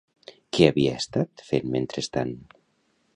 Què havia estat fent mentrestant?